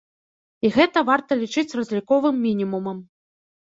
І гэта варта лічыць разліковым мінімумам.